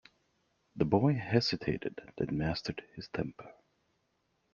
The boy hesitated, then mastered his temper.